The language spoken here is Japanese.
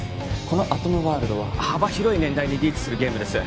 このアトムワールドは幅広い年代にリーチするゲームです